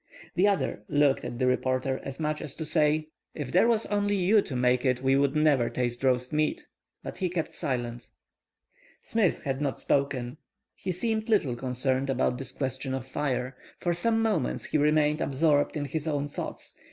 The other looked at the reporter as much as to say, "If there was only you to make it we would never taste roast meat." But he kept silent. Smith had not spoken. He seemed little concerned about this question of fire. For some moments he remained absorbed in his own thoughts.